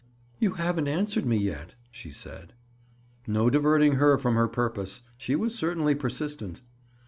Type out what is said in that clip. "You haven't answered me yet," she said. No diverting her from her purpose! She was certainly persistent.